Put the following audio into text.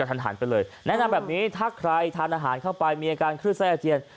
ทันหันไปเลยแนะนำแบบนี้ถ้าใครทานอาหารเข้าไปมีอาการคลื่นไส้อาเจียน